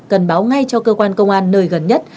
cần báo ngay cho cơ quan công an nơi gần nhất